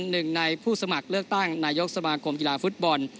หนึ่งในผู้สมัครเลือกตั้งนายกสมาคมกีฬาฟุตบอล